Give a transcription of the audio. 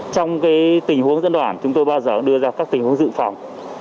trong tình huống dân đoàn chúng tôi bao giờ đưa ra các tình huống dự phòng